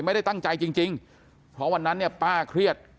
ไม่ได้ตั้งใจจริงเพราะวันนั้นเนี่ยป้าเครียด